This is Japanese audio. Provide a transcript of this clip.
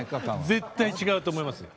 絶対違うと思います。